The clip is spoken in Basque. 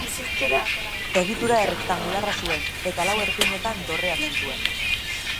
Egitura errektangularra zuen eta lau erpinetan dorreak zituen.